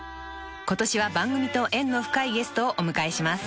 ［今年は番組と縁の深いゲストをお迎えします］